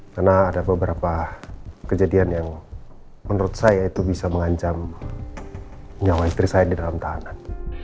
karena ada beberapa kejadian yang menurut saya itu bisa mengancam nyawa istri saya di dalam tahanan